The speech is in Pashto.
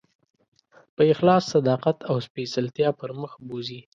په اخلاص، صداقت او سپېڅلتیا پر مخ بوځي.